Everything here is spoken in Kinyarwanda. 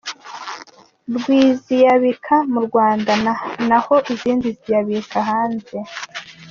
rw’ ziyabika mu Rwanda na ho izindi ziyabika hanze.